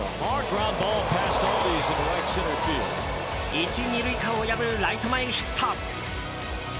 １、２塁間を破るライト前ヒット。